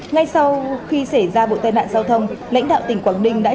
ngay sau khi xảy ra vụ tai nạn giao thông lãnh đạo tỉnh quảng ninh đã trả lời